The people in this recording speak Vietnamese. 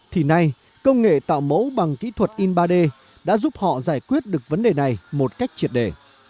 thì nay công nghệ tạo mẫu bằng kỹ thuật in ba d đã giúp họ giải quyết được vấn đề này một cách triệt đề